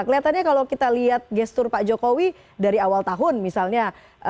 kelihatannya kalau kita lihat gestur pak jokowi dari awal tahun misalnya